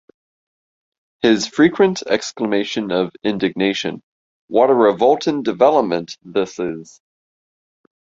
His frequent exclamation of indignation-"What a revoltin' development "this" is!